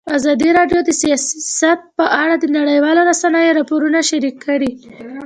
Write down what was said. ازادي راډیو د سیاست په اړه د نړیوالو رسنیو راپورونه شریک کړي.